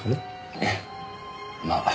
ええまあ。